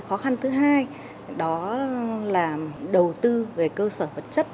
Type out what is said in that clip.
và cái khó khăn thứ hai đó là đầu tư về cơ sở vật chất